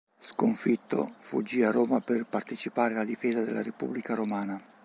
Sconfitto fuggì a Roma per partecipare alla difesa della Repubblica romana.